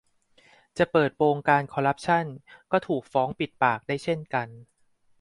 จะเปิดโปงการคอร์รัปชัน ก็ถูก ฟ้องปิดปาก ได้เช่นกัน